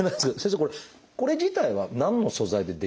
これこれ自体は何の素材で出来てるんですか？